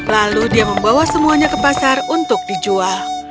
lalu dia membawa semuanya ke pasar untuk dijual